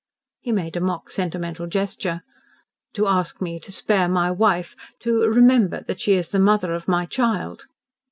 He made a mock sentimental gesture. "To ask me to spare my wife, to 'remember that she is the mother of my child'?"